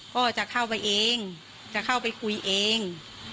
ก็จะเข้าไปเองจะเข้าไปคุยเอง